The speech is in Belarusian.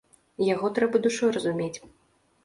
Яго трэба душой разумець.